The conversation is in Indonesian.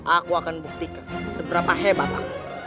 aku akan buktikan seberapa hebat aku